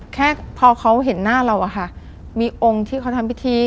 แค่พอเขาเห็นหน้าเราอะค่ะมีองค์ที่เขาทำพิธี